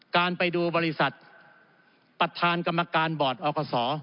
การไปดูบริษัทประธานกรรมการบอร์ดอกศ